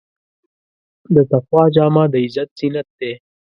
د تقوی جامه د عزت زینت دی.